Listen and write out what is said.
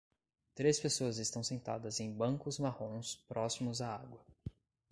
Três pessoas estão sentadas em bancos marrons próximos à água.